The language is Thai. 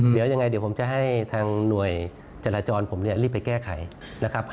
เดี๋ยวยังไงเดี๋ยวผมจะให้ทางหน่วยจราจรผมเนี่ยรีบไปแก้ไขนะครับ